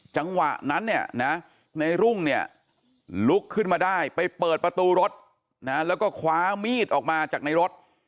จังหวะนั้นในรุ่งลุกขึ้นมาได้ไปเปิดประตูรถแล้วก็คว้ามีดออกมาจากในรถ